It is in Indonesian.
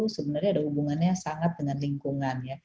sebenarnya ada hubungannya sangat dengan lingkungan ya